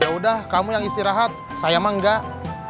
yaudah kamu yang istirahat saya mah enggak